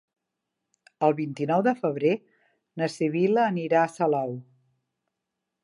El vint-i-nou de febrer na Sibil·la anirà a Salou.